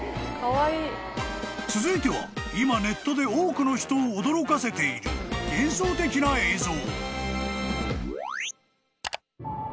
［続いては今ネットで多くの人を驚かせている幻想的な映像］